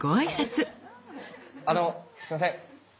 あのすいません。